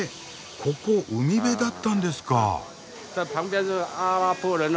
ここ海辺だったんですか？